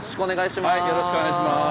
よろしくお願いします。